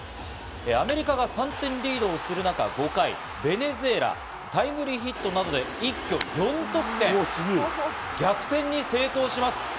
アメリカが３点リードする中、５回、ベネズエラ、タイムリーヒットなどで一挙４得点、逆転に成功します。